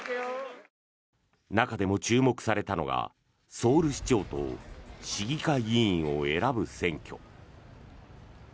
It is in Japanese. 中でも注目されたのがソウル市長と市議会議員を選ぶ選挙。